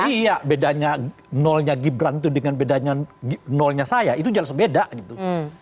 iya bedanya nolnya gibran itu dengan bedanya nolnya saya itu jelas beda gitu